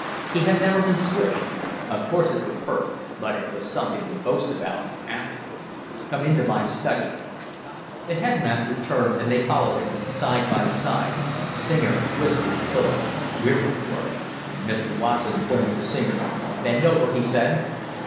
He had never been swished. Of course it would hurt, but it was something to boast about afterwards. "Come into my study." The headmaster turned, and they followed him side by side Singer whispered to Philip: "We're in for it." Mr. Watson pointed to Singer. "Bend over," he said.